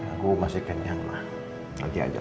aku masih kenyang ma